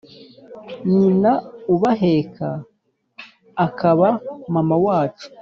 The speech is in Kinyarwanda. nyina ubaheka akaba mama wacu